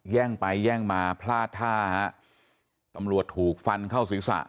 แย่งไปแย่งมาพลาดท่าฮะตำรวจถูกฟันเข้าศีรษะ